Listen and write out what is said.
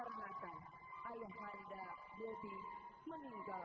namun tidak lama berselang